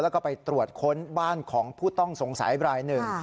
แล้วก็ไปตรวจค้นบ้านของผู้ต้องสงสัยรายหนึ่ง